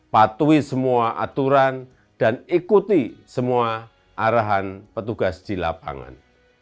patuhi semua aturan dan ikuti semua arahan petugas di lapangan